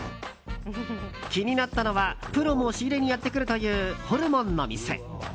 気になったのはプロも仕入れにやってくるというホルモンの店。